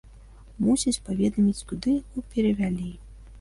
Мусяць паведаміць, куды яго перавялі.